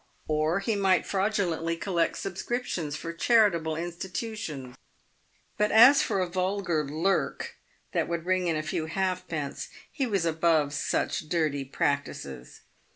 Or he might fraudulenty collect subscriptions for charitable institutions. But as for a vulgar " lurk," that would bring in a few halfpence, he was above such dirty practices.